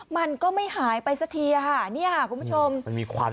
มันก็ไม่หายไปสักทีค่ะ